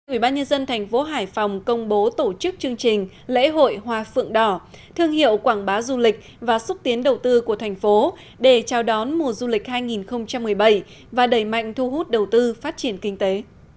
ubnd tp hải phòng công bố tổ chức chương trình lễ hội hoa phượng đỏ thương hiệu quảng bá du lịch và xúc tiến đầu tư của thành phố để chào đón mùa du lịch hai nghìn một mươi bảy và đẩy mạnh thu hút đầu tư phát triển kinh tế